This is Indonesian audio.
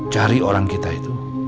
cari orang kita itu